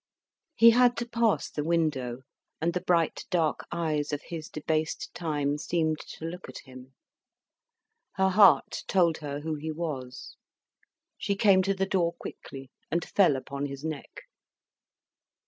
He had to pass the window; and the bright, dark eyes of his debased time seemed to look at him. Her heart told her who he was; she came to the door quickly, and fell upon his neck.